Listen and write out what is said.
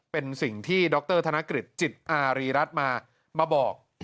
เป็นสิ่งที่ดรธนกฤษจิตอารีรัฐมามาบอก